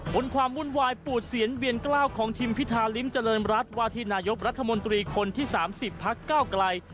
ความวุ่นวายปูดเสียนเวียนกล้าวของทิมพิธาริมเจริญรัฐวาธินายกรัฐมนตรีคนที่๓๐พักเก้าไกล